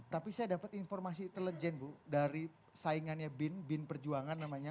tapi saya dapat informasi intelijen bu dari saingannya bin bin perjuangan namanya